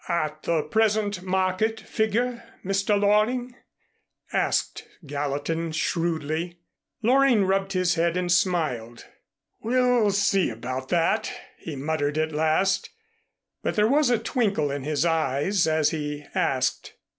"At the present market figure, Mr. Loring?" asked Gallatin shrewdly. Loring rubbed his head and smiled. "We'll see about that," he muttered at last. But there was a twinkle in his eyes as he asked.